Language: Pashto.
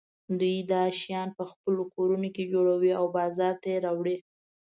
دوی دا شیان په خپلو کورونو کې جوړوي او بازار ته یې راوړي.